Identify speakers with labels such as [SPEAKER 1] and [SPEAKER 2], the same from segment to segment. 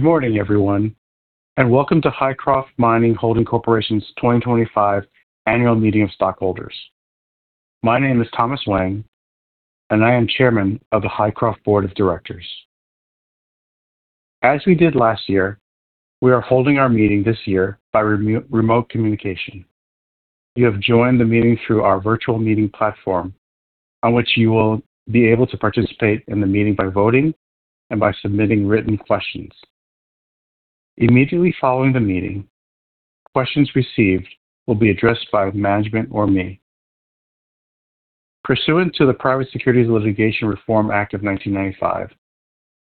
[SPEAKER 1] Good morning, everyone, and welcome to Hycroft Mining Holding Corporation's 2025 Annual Meeting of Stockholders. My name is Thomas Weng, and I am Chairman of the Hycroft Board of Directors. As we did last year, we are holding our meeting this year by remote communication. You have joined the meeting through our virtual meeting platform, on which you will be able to participate in the meeting by voting and by submitting written questions. Immediately following the meeting, questions received will be addressed by management or me. Pursuant to the Private Securities Litigation Reform Act of 1995,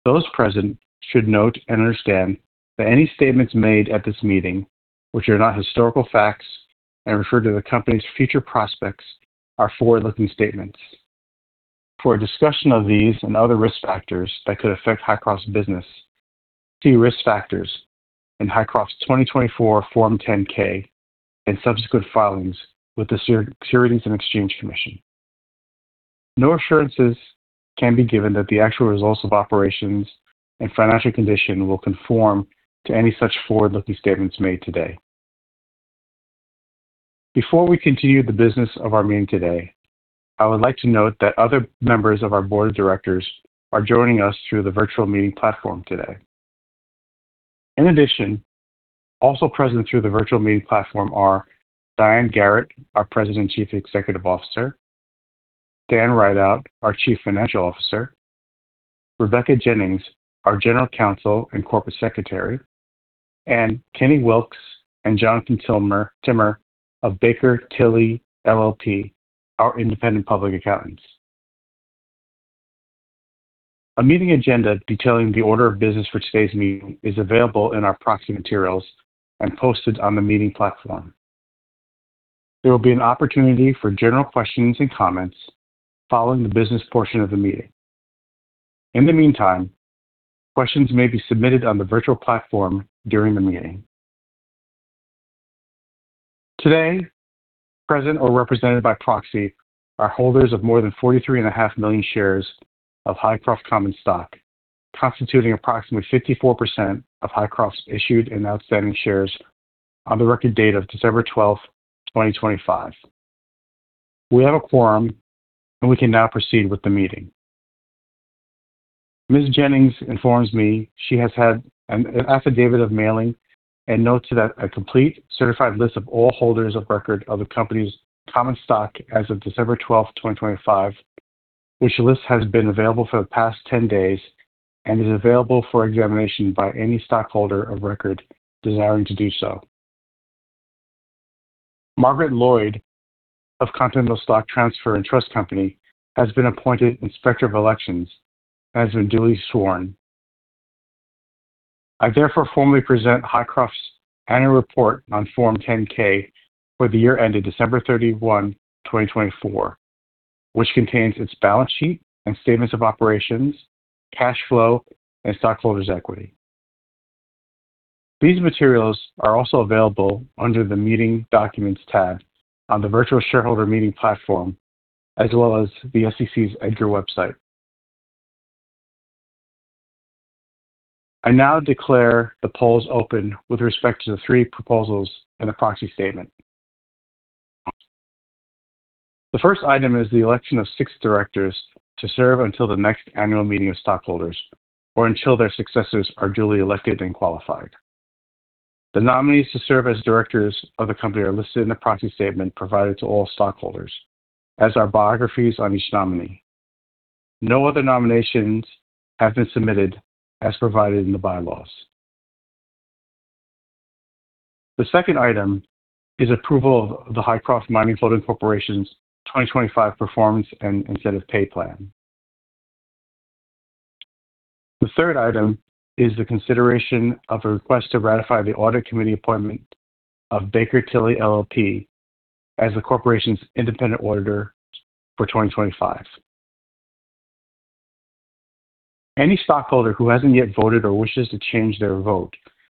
[SPEAKER 1] those present should note and understand that any statements made at this meeting, which are not historical facts and refer to the company's future prospects, are forward-looking statements. For a discussion of these and other risk factors that could affect Hycroft's business, see risk factors in Hycroft's 2024 Form 10-K and subsequent filings with the Securities and Exchange Commission. No assurances can be given that the actual results of operations and financial condition will conform to any such forward-looking statements made today. Before we continue the business of our meeting today, I would like to note that other members of our Board of Directors are joining us through the virtual meeting platform today. In addition, also present through the virtual meeting platform are Diane Garrett, our President and Chief Executive Officer; Stanton Rideout, our Chief Financial Officer; Rebecca Jennings, our General Counsel and Corporate Secretary, and Kenny Wilkes and Jonathan Timmer of Baker Tilly, LLP, our Independent Public Accountants. A meeting agenda detailing the order of business for today's meeting is available in our proxy materials and posted on the meeting platform. There will be an opportunity for general questions and comments following the business portion of the meeting. In the meantime, questions may be submitted on the virtual platform during the meeting. Today, present or represented by proxy, are holders of more than 43.5 million shares of Hycroft common stock, constituting approximately 54% of Hycroft's issued and outstanding shares on the record date of December 12, 2025. We have a quorum, and we can now proceed with the meeting. Ms. Jennings informs me she has had an affidavit of mailing and notes that a complete certified list of all holders of record of the company's common stock as of December 12, 2025, which list has been available for the past 10 days and is available for examination by any stockholder of record desiring to do so. Margaret Lloyd of Continental Stock Transfer and Trust Company has been appointed Inspector of Elections and has been duly sworn. I therefore formally present Hycroft's Annual Report on Form 10-K for the year ended December 31, 2024, which contains its balance sheet and statements of operations, cash flow, and stockholders' equity. These materials are also available under the Meeting Documents tab on the virtual shareholder meeting platform, as well as the SEC's EDGAR website. I now declare the polls open with respect to the three proposals and the proxy statement. The first item is the election of six directors to serve until the next annual meeting of stockholders, or until their successors are duly elected and qualified. The nominees to serve as directors of the company are listed in the proxy statement provided to all stockholders, as are biographies on each nominee. No other nominations have been submitted, as provided in the bylaws. The second item is approval of the Hycroft Mining Holding Corporation's 2025 performance and incentive pay plan. The third item is the consideration of a request to ratify the audit committee appointment of Baker Tilly, LLP, as the corporation's independent auditor for 2025. Any stockholder who hasn't yet voted or wishes to change their vote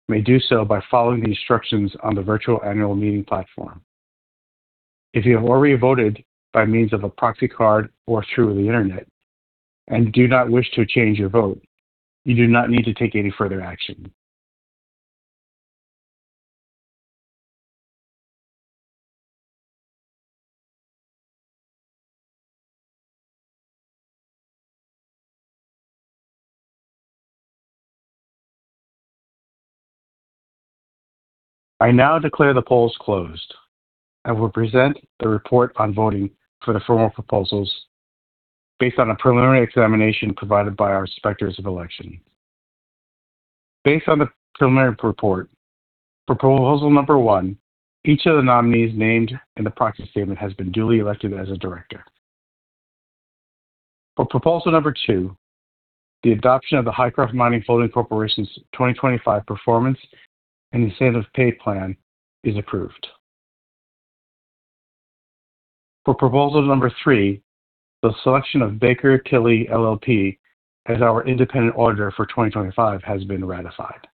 [SPEAKER 1] may do so by following the instructions on the virtual annual meeting platform. If you have already voted by means of a proxy card or through the internet and do not wish to change your vote, you do not need to take any further action. I now declare the polls closed and will present the report on voting for the formal proposals based on a preliminary examination provided by our Inspectors of Election. Based on the preliminary report, for Proposal Number One, each of the nominees named in the proxy statement has been duly elected as a director. For Proposal Number Two, the adoption of the Hycroft Mining Holding Corporation's 2025 performance and incentive pay plan is approved. For Proposal Number Three, the selection of Baker Tilly, LLP, as our independent auditor for 2025 has been ratified.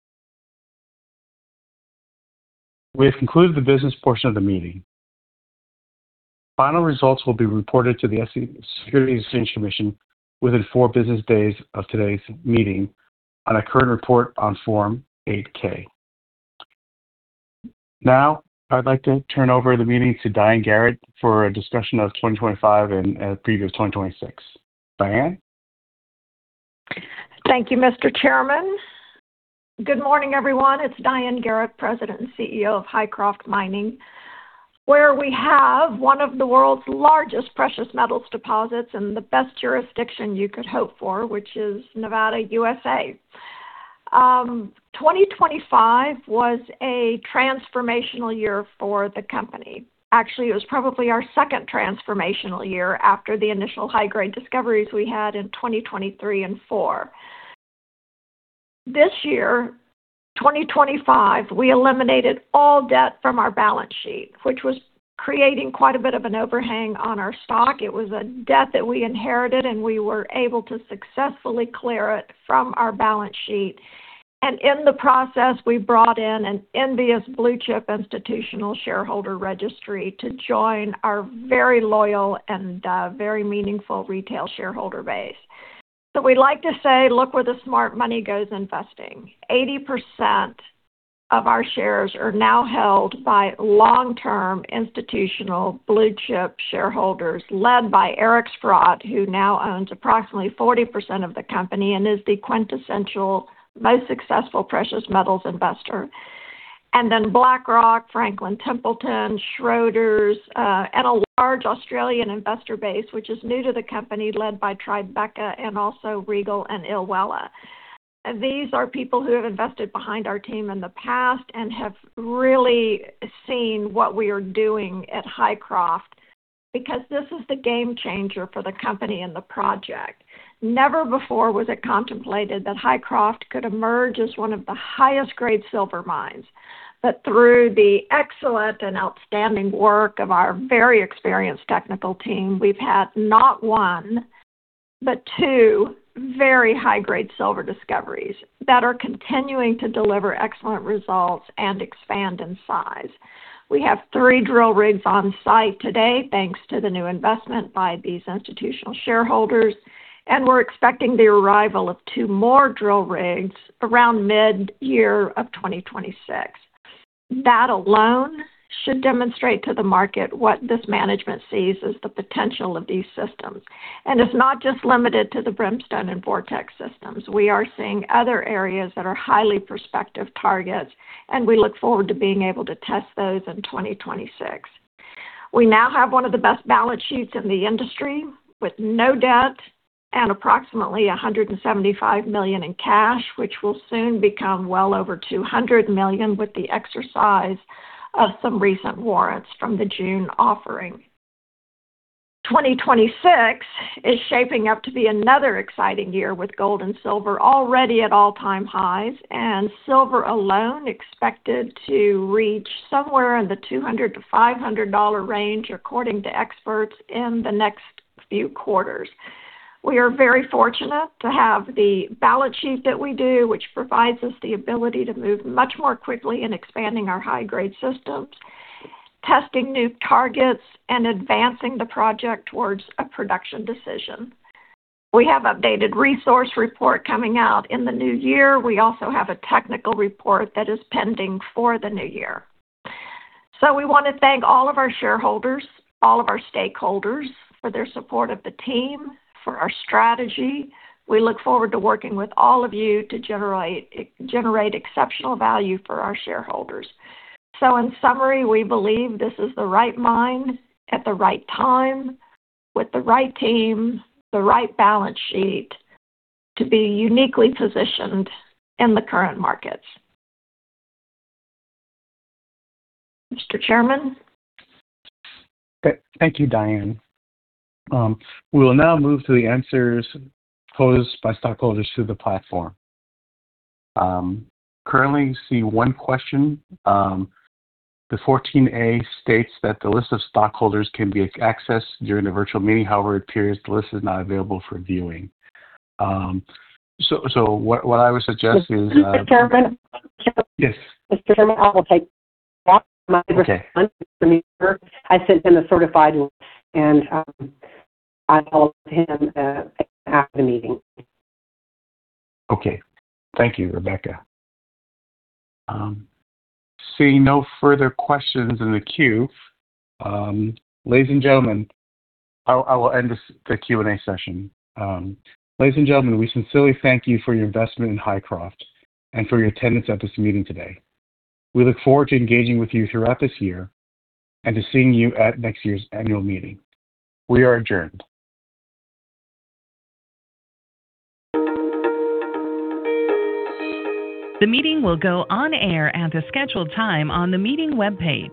[SPEAKER 1] We have concluded the business portion of the meeting. Final results will be reported to the Securities and Exchange Commission within four business days of today's meeting on a current report on Form 8-K. Now, I'd like to turn over the meeting to Diane Garrett for a discussion of 2025 and previous 2026. Diane?
[SPEAKER 2] Thank you, Mr. Chairman. Good morning, everyone. It's Diane Garrett, President and CEO of Hycroft Mining, where we have one of the world's largest precious metals deposits and the best jurisdiction you could hope for, which is Nevada, USA. 2025 was a transformational year for the company. Actually, it was probably our second transformational year after the initial high-grade discoveries we had in 2023 and 2024. This year, 2025, we eliminated all debt from our balance sheet, which was creating quite a bit of an overhang on our stock. It was a debt that we inherited, and we were able to successfully clear it from our balance sheet, and in the process, we brought in an enviable blue-chip institutional shareholder registry to join our very loyal and very meaningful retail shareholder base, so we'd like to say, look where the smart money goes investing. 80% of our shares are now held by long-term institutional blue-chip shareholders led by Eric Sprott, who now owns approximately 40% of the company and is the quintessential, most successful precious metals investor. And then BlackRock, Franklin Templeton, Schroders, and a large Australian investor base, which is new to the company, led by Tribeca and also Regal and Ilwella. These are people who have invested behind our team in the past and have really seen what we are doing at Hycroft because this is the game changer for the company and the project. Never before was it contemplated that Hycroft could emerge as one of the highest-grade silver mines. But through the excellent and outstanding work of our very experienced technical team, we've had not one, but two very high-grade silver discoveries that are continuing to deliver excellent results and expand in size. We have three drill rigs on site today, thanks to the new investment by these institutional shareholders, and we're expecting the arrival of two more drill rigs around mid-year of 2026. That alone should demonstrate to the market what this management sees as the potential of these systems. And it's not just limited to the Brimstone and Vortex systems. We are seeing other areas that are highly prospective targets, and we look forward to being able to test those in 2026. We now have one of the best balance sheets in the industry, with no debt and approximately $175 million in cash, which will soon become well over $200 million with the exercise of some recent warrants from the June offering. 2026 is shaping up to be another exciting year with gold and silver already at all-time highs, and silver alone expected to reach somewhere in the $200-$500 range, according to experts, in the next few quarters. We are very fortunate to have the balance sheet that we do, which provides us the ability to move much more quickly in expanding our high-grade systems, testing new targets, and advancing the project towards a production decision. We have an updated resource report coming out in the new year. We also have a technical report that is pending for the new year. So we want to thank all of our shareholders, all of our stakeholders for their support of the team, for our strategy. We look forward to working with all of you to generate exceptional value for our shareholders. So in summary, we believe this is the right mine at the right time with the right team, the right balance sheet to be uniquely positioned in the current markets. Mr. Chairman?
[SPEAKER 1] Thank you, Diane. We will now move to the answers posed by stockholders to the platform. Currently, I see one question. The 14A states that the list of stockholders can be accessed during the virtual meeting. However, it appears the list is not available for viewing. So what I would suggest is.
[SPEAKER 3] Mr. Chairman?
[SPEAKER 1] Yes.
[SPEAKER 3] Mr. Chairman, I will take that. My response for you, sir, I sent him a certified, and I'll ask him after the meeting.
[SPEAKER 1] Okay. Thank you, Rebecca. Seeing no further questions in the queue, ladies and gentlemen, I will end the Q&A session. Ladies and gentlemen, we sincerely thank you for your investment in Hycroft and for your attendance at this meeting today. We look forward to engaging with you throughout this year and to seeing you at next year's annual meeting. We are adjourned.
[SPEAKER 4] The meeting will go on air at the scheduled time on the meeting webpage.